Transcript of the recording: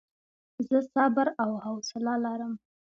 زه صبر او حوصله لرم.